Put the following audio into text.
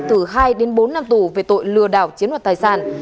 từ hai đến bốn năm tù về tội lừa đảo chiếm đoạt tài sản